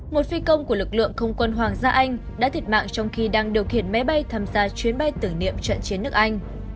một phi công của lực lượng không quân hoàng gia anh đã thiệt mạng trong khi đang điều khiển máy bay tham gia chuyến bay tử niệm trận chiến nước anh